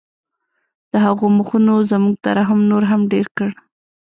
د هغوی مخونو زموږ ترحم نور هم ډېر کړ